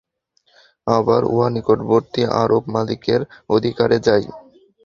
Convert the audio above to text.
আবার উহা নিকটবর্তী আরব-মালিকের অধিকারে যায়।